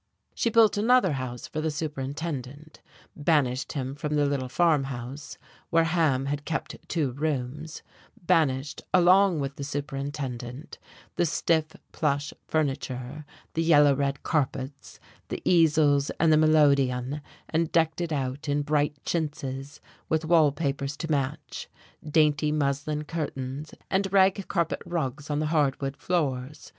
She built another house for the superintendent banished him from the little farmhouse (where Ham had kept two rooms); banished along with the superintendent the stiff plush furniture, the yellow red carpets, the easels and the melodeon, and decked it out in bright chintzes, with wall papers to match, dainty muslin curtains, and rag carpet rugs on the hardwood floors.